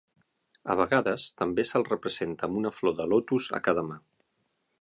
A vegades també se'l representa amb una flor de lotus a cada mà.